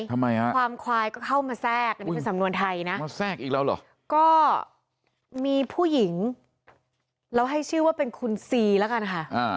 ทำไมควายเข้ามาแทรกสำนวนไทยนะแทรกอีกแล้วหรอก็มีผู้หญิงเราให้ชื่อว่าเป็นคุณซีแล้วกันค่ะ